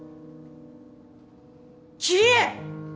桐江！